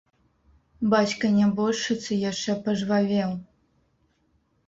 Бацька нябожчыцы яшчэ пажвавеў.